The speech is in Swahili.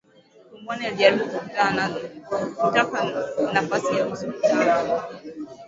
Thuwain alijaribu kutaka nafasi ya usultan